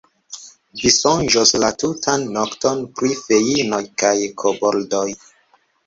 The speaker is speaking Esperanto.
Vi sonĝos la tutan nokton pri feinoj kaj koboldoj.